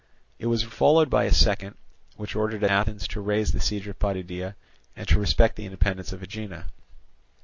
It was followed by a second, which ordered Athens to raise the siege of Potidæa, and to respect the independence of Aegina.